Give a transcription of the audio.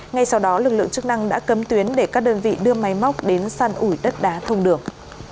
ngay sau đó lực lượng chức năng đã cấm tuyến để các đơn vị đưa máy móc đến săn ủi đất đá thông đường